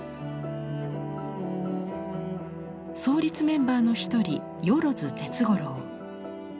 創立メンバーの一人萬鐵五郎。